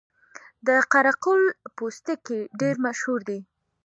د قره قل پوستکي ډیر مشهور دي